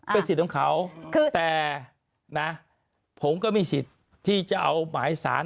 เป็นสิทธิ์ของเขาแต่นะผมก็มีสิทธิ์ที่จะเอาหมายสาร